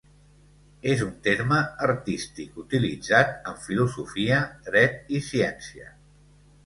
És un terme artístic utilitzat en filosofia, dret i ciència.